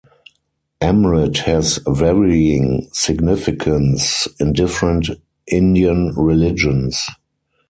Amrit has varying significance in different Indian religions.